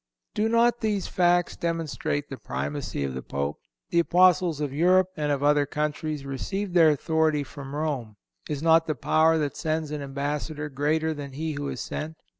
Do not these facts demonstrate the Primacy of the Pope? The Apostles of Europe and of other countries received their authority from Rome. Is not the power that sends an ambassador greater than he who is sent?